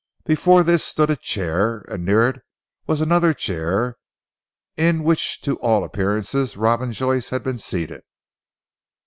Before this stood a chair, and near it was another chair in which to all appearances Robin Joyce had been seated.